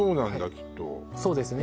きっとそうですね